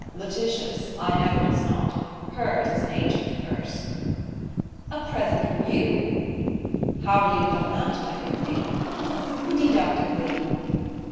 "Laetitia's, I know it is not. Hers is an ancient purse." "A present from you!" "How do you hit on that, my dear lady?" "Deductively."